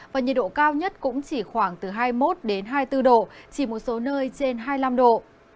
và nhiệt độ cao nhất cũng chỉ khoảng từ hai mươi một hai mươi bốn độ chỉ một số nơi trên hai mươi năm độ